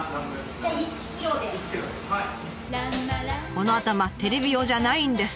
この頭テレビ用じゃないんです。